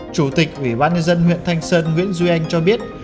chủ tịch ủy ban nhân dân huyện thanh sơn nguyễn duy anh cho biết